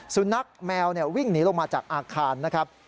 สุนัขแมววิ่งหนีลงมาจากอาคารนะครับ